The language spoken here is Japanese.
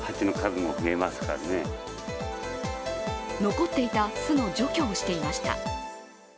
残っていた巣の除去をしていました。